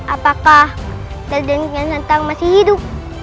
apakah raden kian santang masih hidup